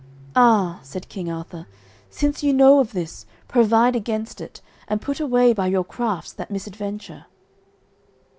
"Ah," said King Arthur, "since ye know of this, provide against it, and put away by your crafts that misadventure."